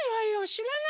しらない！